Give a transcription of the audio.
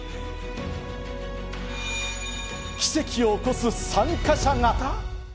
奇跡を起こす参加者が。